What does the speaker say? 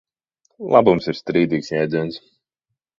Labums ir strīdīgs jēdziens.